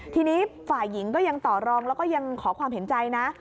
ทีนี้ฝ่ายหญิงก็ยังต่อรองแล้วก็ยังขอความเห็นใจนะ